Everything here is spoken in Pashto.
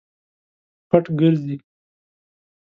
پټ ګرځي.